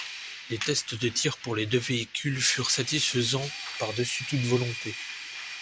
Les tests de tirs pour les deux véhicules furent satisfaisants par-dessus toute volonté.